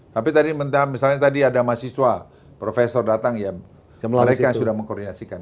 tapi tadi misalnya tadi ada mahasiswa profesor datang ya mereka sudah mengkoordinasikan